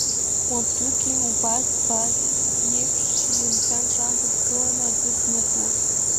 Уабдугьы убас, Баӡ иеиԥш, шьыжьымҭан шаанӡа дгыланы адәы днықәлон.